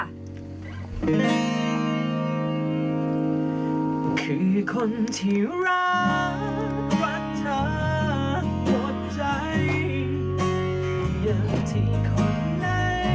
รักเธอไม่ได้ตั้งแต่แบบนี้จนถึงนาทีสุดท้าย